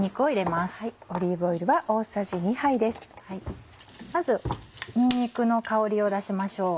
まずにんにくの香りを出しましょう。